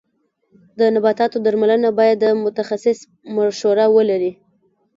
د نباتو درملنه باید د متخصص مشوره ولري.